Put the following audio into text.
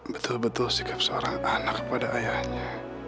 betul betul sikap seorang anak kepada ayahnya